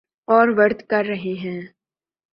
اور ورد کر رہے ہیں۔